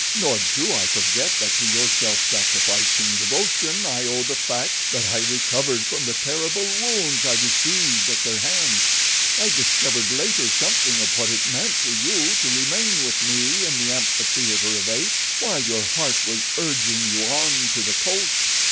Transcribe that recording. Nor do I forget that to your self sacrificing devotion I owe the fact that I recovered from the terrible wounds I received at their hands—I discovered later something of what it meant to you to remain with me in the amphitheater of apes while your heart was urging you on to the coast.